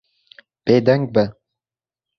Bêdeng be.